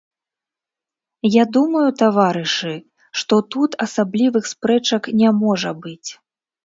Я думаю, таварышы, што тут асаблівых спрэчак не можа быць.